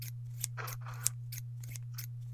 altitude mia tano mpaka meta elfu moja